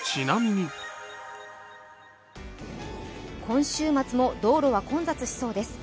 今週末も道路は混雑しそうです。